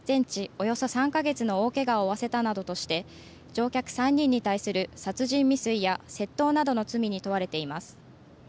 およそ３か月の大けがを負わせたなどとして乗客３人に対する殺人未遂や窃盗などの罪に問われています。